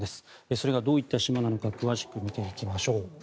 それがどういった島なのか詳しく見ていきましょう。